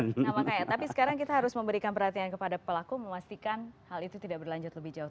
nah makanya tapi sekarang kita harus memberikan perhatian kepada pelaku memastikan hal itu tidak berlanjut lebih jauh